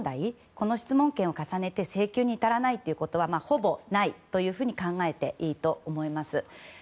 この質問権を重ねて請求に至らないということはほぼないというふうに考えていいと思います。